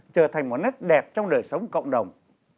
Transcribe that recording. trở thành một nét đẹp trong đời sống cộng đồng